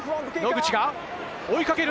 野口が追いかける。